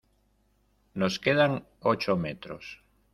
nos quedan ocho metros.